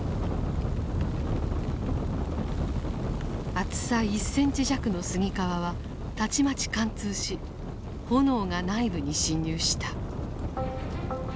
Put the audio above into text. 厚さ１センチ弱の杉皮はたちまち貫通し炎が内部に侵入した。